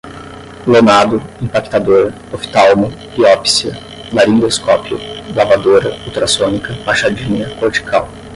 lonado, impactador, oftalmo, biópsia, laringoscópio, lavadora, ultrassônica, machadinha, cortical